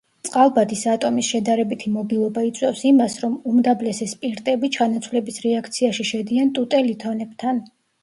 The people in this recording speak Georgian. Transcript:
წყალბადის ატომის შედარებითი მობილობა იწვევს იმას, რომ უმდაბლესი სპირტები ჩანაცვლების რეაქციაში შედიან ტუტე ლითონებთან.